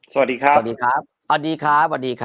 สวัสดีครับสวัสดีครับสวัสดีครับสวัสดีครับ